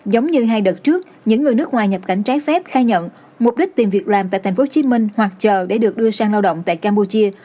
giống như hai đợt trước những người nước ngoài nhập cảnh trái phép khai nhận mục đích tìm việc làm tại tp hcm hoặc chờ để được đưa sang lao động tại campuchia